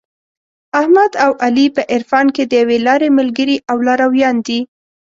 احمد او علي په عرفان کې د یوې لارې ملګري او لارویان دي.